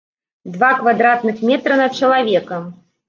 Два квадратных метра на чалавека!